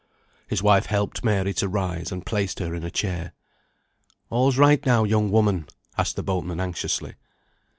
His wife helped Mary to rise, and placed her in a chair. "All's right now, young woman?" asked the boatman, anxiously.